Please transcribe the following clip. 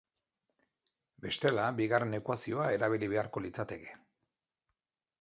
Bestela bigarren ekuazioa erabili beharko litzateke.